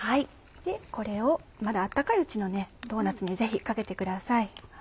これをまだ温かいうちのドーナッツにぜひかけてください。